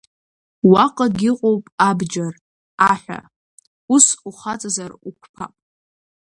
Уаҟагь иҟоуп абџьар, аҳәа, ус ухаҵазар, уқәԥап!